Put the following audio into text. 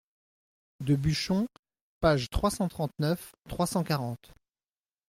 de Buchon, pages trois cent trente-neuf, trois cent quarante.